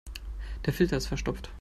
Der Filter ist verstopft.